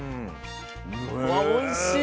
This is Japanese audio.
あおいしい！